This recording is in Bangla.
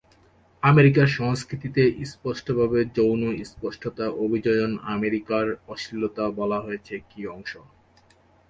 আমেরিকান সংস্কৃতিতে স্পষ্টভাবে যৌন স্পষ্টতা অভিযোজন "আমেরিকার অশ্লীলতা" বলা হয়েছে কি অংশ।